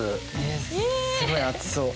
えっすごい熱そう。